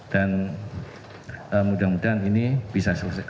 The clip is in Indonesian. dan mudah mudahan ini bisa selesai